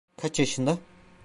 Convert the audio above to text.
Kaç yaşında?